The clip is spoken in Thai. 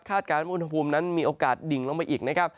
คาดการณ์ว่าอุณหภูมินั้นมีโอกาสดิ่งลงไปอีก